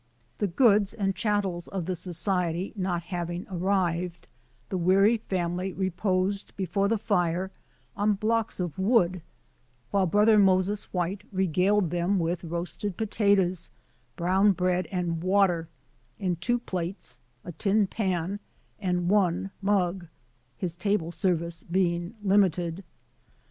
The goods and chattels of the Society not hav ing arrived, the weary family reposed before the fire on blocks of wood, while Brother Moses White regaled them with roasted potatoes, brown bread Digitized by VjOOQ IC 152 BRONSON ALCOTT'S FRUITLANDS and water, in two plates, a tin pan, and one mug; his table service being limited.